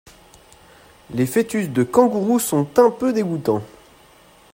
Les foetus de Kangourou sont un peu dégoûtant.